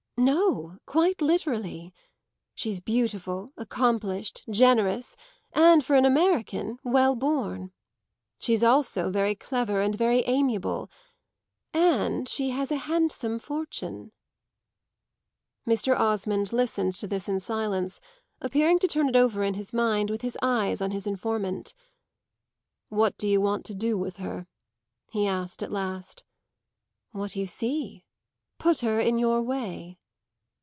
"No; quite literally. She's beautiful, accomplished, generous and, for an American, well born. She's also very clever and very amiable, and she has a handsome fortune." Mr. Osmond listened to this in silence, appearing to turn it over in his mind with his eyes on his informant. "What do you want to do with her?" he asked at last. "What you see. Put her in your way."